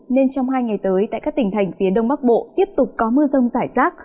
nên trong hai ngày tới tại các tỉnh thành phía đông bắc bộ tiếp tục có mưa rông rải rác